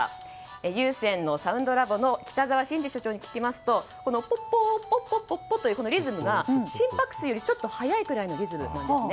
ＵＳＥＮＳＯＵＮＤＬａｂ．北澤伸二所長に聞きますとポポーポポポポというリズムが心拍数よりちょっと速いくらいのリズムなんですね。